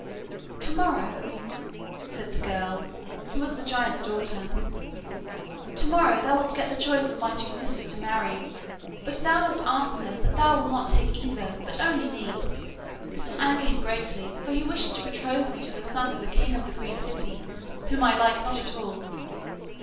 'To morrow,' said the girl, who was the giant's daughter, 'to morrow thou wilt get the choice of my two sisters to marry, but thou must answer that thou wilt not take either, but only me. This will anger him greatly, for he wishes to betroth me to the son of the king of the Green City, whom I like not at all.